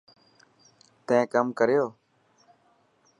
تين ڪم ڪريو.